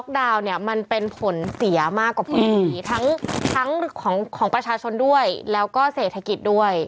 เนี้ยมันเป็นผลเสียมากกว่าผลอืมหรือทั้งของของประชาชนด้วยแล้วก็เสียทะกิจด้วย